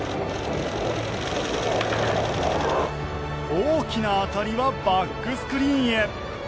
大きな当たりはバックスクリーンへ。